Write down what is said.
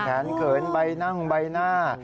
เขินใบนั่งใบหน้า